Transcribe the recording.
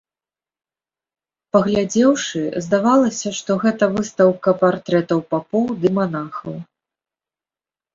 Паглядзеўшы, здавалася, што гэта выстаўка партрэтаў папоў ды манахаў.